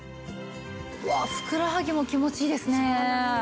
わあふくらはぎも気持ちいいですね。